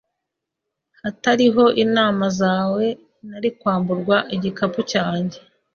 Hatariho inama zawe, nari kwamburwa igikapu cyanjye.